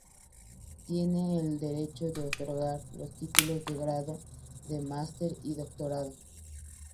Tiene el derecho de otorgar los títulos de Grado, de Master y Doctorado.